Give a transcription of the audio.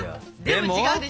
でも違うでしょ？